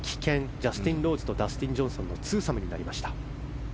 ジャスティン・ローズとダスティン・ジョンソンの２サムになりました。